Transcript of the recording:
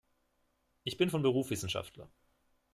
Ich bin von Beruf Wissenschaftler.